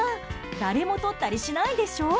誰もとったりしないでしょ。